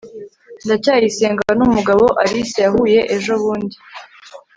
ndacyayisenga numugabo alice yahuye ejobundi